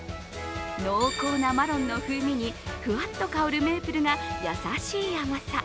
濃厚なマロンの風味にふわっと香るメープルが優しい甘さ。